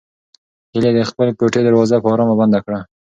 هیلې د خپلې کوټې دروازه په ارامه بنده کړه.